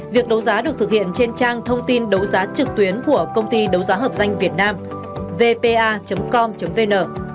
việc đấu giá được thực hiện trên trang thông tin đấu giá trực tuyến của công ty đấu giá hợp danh việt nam vpa com vn